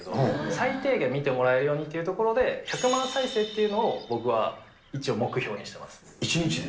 最低限見てもらえるようにというところで、１００万再生というの１日で？